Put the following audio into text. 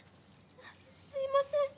すいません。